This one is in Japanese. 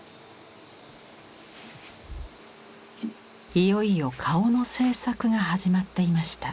いよいよ顔の制作が始まっていました。